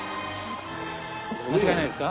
間違いないですか？